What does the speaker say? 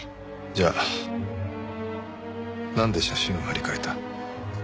じゃあなんで写真を貼り替えた？